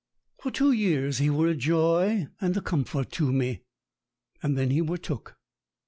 For two years he were a joy and a comfort to me, and then he were took.